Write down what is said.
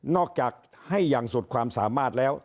จากให้อย่างสุดความสามารถแล้ว